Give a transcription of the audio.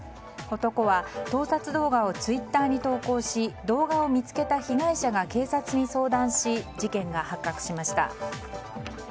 男は盗撮動画をツイッターに投稿し動画を見つけた被害者が警察に相談し事件が発覚しました。